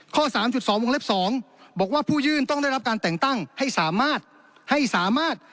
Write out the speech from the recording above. ข้อ๓๒วงเล็ก๒บอกว่าผู้ยื่นต้องได้รับการแต่งตั้งให้สามารถ